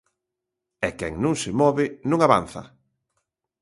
E quen non se move non avanza.